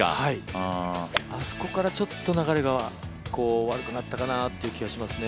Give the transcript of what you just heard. あそこから流れが悪くなったかなという感じがしますね。